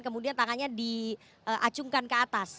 kemudian tangannya diacungkan ke atas